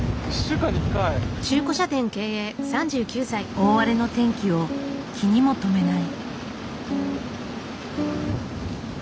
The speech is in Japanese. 大荒れの天気を気にも留めない。